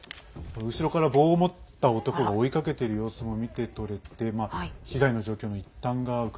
後ろから棒を持った男が追いかけている様子も見て取れて怖いですね。